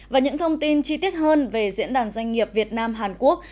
và những thông tin chi tiết hơn về diễn đàn doanh nghiệp việt nam hàn quốc